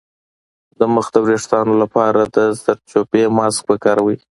د مخ د ويښتانو لپاره د زردچوبې ماسک وکاروئ